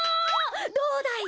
どうだい？